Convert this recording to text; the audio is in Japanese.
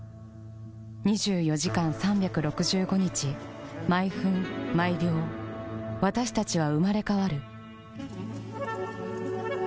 ２４時間３６５日毎分毎秒私たちは生まれ変わる